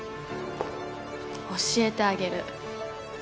教えてあげる。